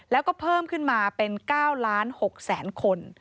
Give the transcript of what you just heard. แล้วก็เพิ่มขึ้นมาเป็น๙๖๐๐๐๐๐คน